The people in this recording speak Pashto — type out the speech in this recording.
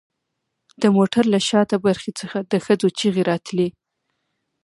د موټر له شاته برخې څخه د ښځو چیغې راتلې